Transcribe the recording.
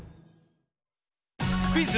クイズ